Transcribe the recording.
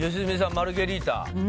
マルゲリータうん！